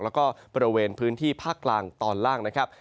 แล้วก็บริเวณพื้นที่ภาคกลางตอนล่างนะครับ